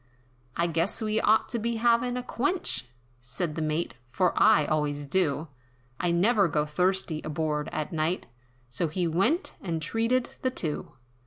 "I guess that we ought to be havin' a quench," Said the Mate, "For I always do, I never go thirsty, aboard at night," So he went, and treated the two.